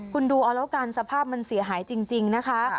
คุณดูเอาแล้วกันสภาพมันเสียหายจริงนะคะ